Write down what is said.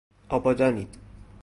آبادانید